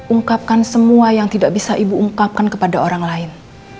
ungkapkan semua yang tidak bisa ibu ungkapkan kepada orang lain